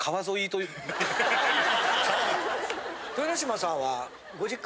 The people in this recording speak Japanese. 豊ノ島さんは。